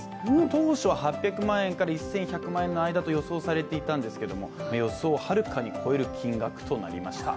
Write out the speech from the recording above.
当初、８００万円から１８００万円の間と予想されていたんですけど予想をはるかに超える金額となりました。